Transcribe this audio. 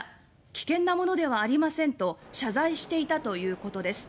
危険なものではありません」と謝罪していたということです。